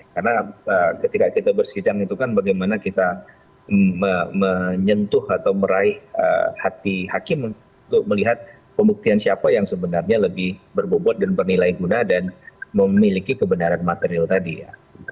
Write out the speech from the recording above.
karena ketika kita bersidang itu kan bagaimana kita menyentuh atau meraih hati hakim untuk melihat pembuktian siapa yang sebenarnya lebih berbobot dan bernilai guna dan memiliki kebenaran material tadi ya